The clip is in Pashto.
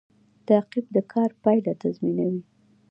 تعقیب د کار پایله تضمینوي